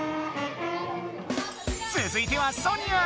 つづいてはソニア！